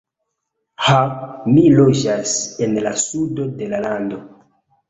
Ha, mi loĝas en la sudo de la lando.